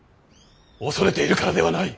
恐れているからではない。